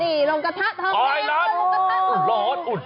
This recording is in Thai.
อ๋อนี่ลงกระทะท้อนแม่ง